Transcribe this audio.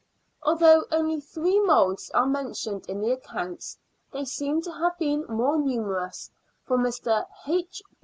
Although only three moulds are mentioned in the accounts, they seem to have been more numerous, for Mr. H.